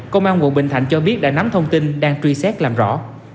công an quận bình thạnh cho biết đã nắm thông tin đang truy xét làm rõ